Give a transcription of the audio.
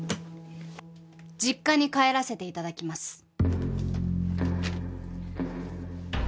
実家に帰らせて頂きます。